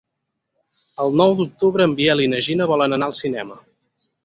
El nou d'octubre en Biel i na Gina volen anar al cinema.